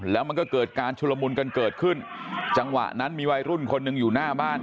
แล้วมันก็เกิดการชุลมุนกันเกิดขึ้นจังหวะนั้นมีวัยรุ่นคนหนึ่งอยู่หน้าบ้าน